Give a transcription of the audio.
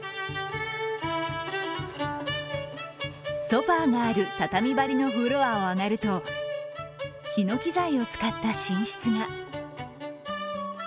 ソファがある畳張りのフロアを上がると、ひのき材を使った寝室が。